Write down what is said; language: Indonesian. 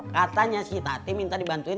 katanya si tati minta dibantuin